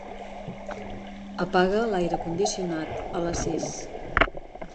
Apaga l'aire condicionat a les sis.